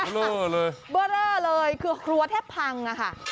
โบรเตอร์เลยคือครัวแทบพังอะค่ะ